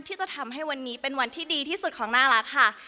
ที่จะทำให้วันนี้เป็นวันที่ดีที่สุดของน่ารักค่ะ